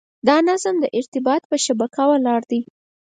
دا نظم د ارتباط په شبکه ولاړ دی.